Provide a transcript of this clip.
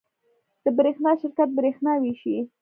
د برښنا شرکت بریښنا ویشي